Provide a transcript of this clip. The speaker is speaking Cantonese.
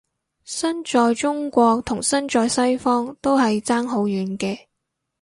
身在中國同身在西方都係爭好遠嘅